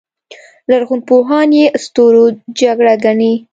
لرغونپوهان یې ستورو جګړه ګڼي